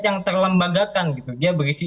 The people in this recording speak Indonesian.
yang terlembagakan dia berisi